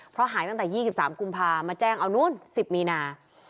เพราะหายตั้งแต่๒๓กุมภามาแจ้งเอานู้น๑๐มีนา